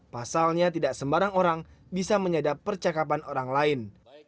pasalnya tidak sembarang orang bisa menyadap percakapan orang lain